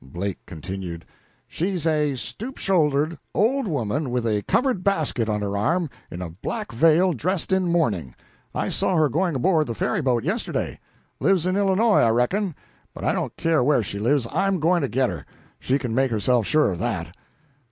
Blake continued: "She's a stoop shouldered old woman with a covered basket on her arm, in a black veil, dressed in mourning. I saw her going aboard the ferry boat yesterday. Lives in Illinois, I reckon; but I don't care where she lives, I'm going to get her she can make herself sure of that."